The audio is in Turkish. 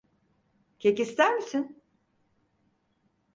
Kek ister misin?